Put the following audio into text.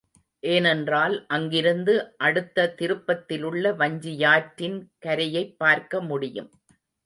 ஏனென்றால், அங்கிருந்து அடுத்த திருப்பத்திலுள்ள வஞ்சியாற்றின் கரையைப் பார்க்க முடியும்.